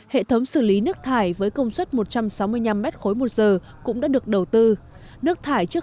hệ thống xử lý nước thải với công suất một trăm sáu mươi năm m ba một giờ cũng đã được đầu tư nước thải trước